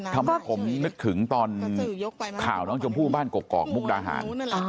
ทำให้ผมนึกถึงตอนข่าวน้องชมพู่บ้านกกอกมุกดาหาร